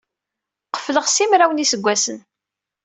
Qefleɣ simraw n yiseggasen.